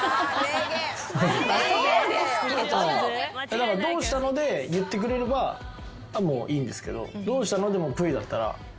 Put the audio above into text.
だから「どうしたの？」で言ってくれればいいんですけど「どうしたの？」でもプイだったら。